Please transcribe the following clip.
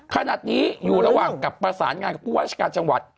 ขณะนี้อยู่ระหว่างกับประสานงานกับผู้ว่าราชการจังหวัด